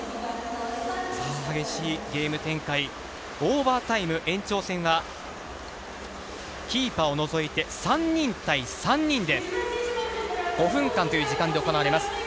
激しいゲーム展開、オーバータイム延長戦はキーパーを除いて３人対３人で、５分間という時間で行われます。